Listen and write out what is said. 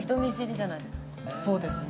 そうですね。